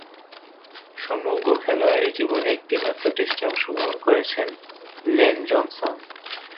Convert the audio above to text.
সমগ্র খেলোয়াড়ী জীবনে একটিমাত্র টেস্টে অংশগ্রহণ করেছেন লেন জনসন।